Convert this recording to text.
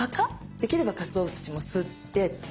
できればかつお節もすって。